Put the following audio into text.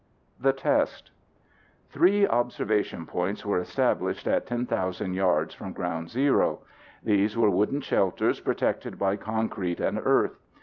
The test Three observation points were established at 10,000 yards from ground zero. These were wooden shelters protected by concrete and earth.